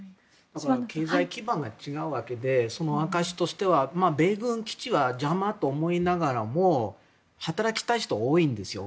経済基盤が違うわけで証しとしては米軍基地が邪魔だとは思いながらも働きたい人は多いんですよ